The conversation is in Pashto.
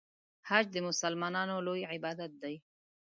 حج د مسلمانانو لوی عبادت دی.